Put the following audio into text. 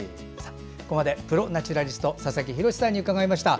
ここまでプロ・ナチュラリスト佐々木洋さんに伺いました。